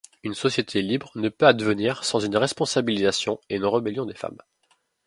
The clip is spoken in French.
Une société libre ne peut advenir sans une responsabilisation et une rébellion des femmes.